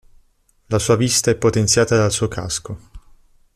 La sua vista è potenziata dal suo casco.